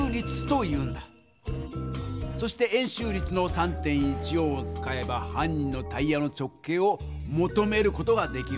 そして円周率の３．１４を使えば犯人のタイヤの直径をもとめる事ができるんだ。